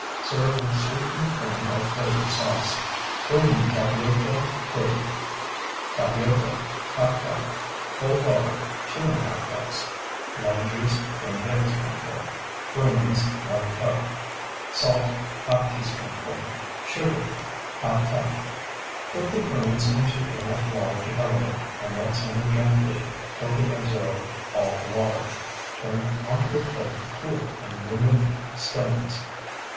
Serve with sweetened cream or flavored sauce. PRUNE TAPIOCA PUDDING Tapioca, ½ cup. Cold water, 2½ cups. Lemon juice, 1 tablespoonful. Prunes, 1 cup. Salt, ½ teaspoonful. Sugar, ½ cup. Put the prunes into enough water to cover them, and let simmer gently till they absorb all the water. Turn onto a plate to cool and remove stones.